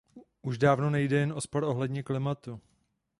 Už dávno nejde jen o spor ohledně klimatu.